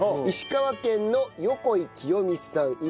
石川県の横井清珠さん